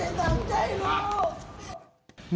นี่แหละครับคุณแม่โทษตัวเอง